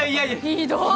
ひどい。